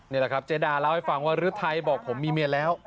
นี่แหละครับเจดาเล่าให้ฟังว่าฤทัยบอกผมมีเมียแล้ว